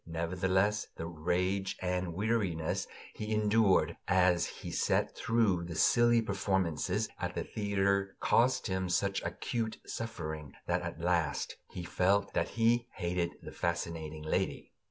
Nevertheless, the rage and weariness he endured as he sat through the silly performances at the theater caused him such acute suffering that at last he felt that he hated the fascinating lady.